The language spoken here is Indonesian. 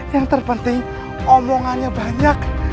yang terpenting omongannya banyak